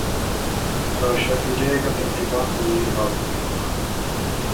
ته شکیلۀ يې ګه تقریباً او يي حال بیوک